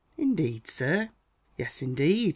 "Indeed, sir?" "Yes, indeed.